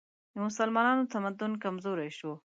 د مسلمانانو تمدن کمزوری شو